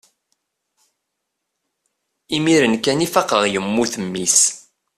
imir-n kan i faqeɣ yemmut mmi-s